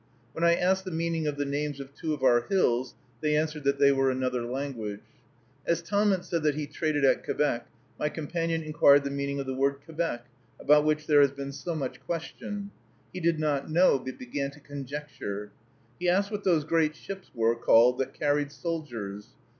When I asked the meaning of the names of two of our hills, they answered that they were another language. As Tahmunt said that he traded at Quebec, my companion inquired the meaning of the word Quebec, about which there has been so much question. He did not know, but began to conjecture. He asked what those great ships were called that carried soldiers.